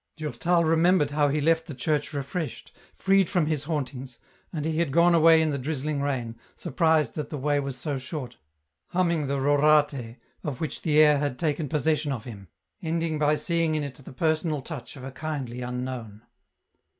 Durtal remembered how he left the church refreshed, 382 EN ROUTE. freed from his hauntings, and he had gone away in the drizzling rain, surprised that the way was so short, hum ming the " Rorate," of which the air had taken possession of him, ending by seeing in it the personal touch of a kindly unknown.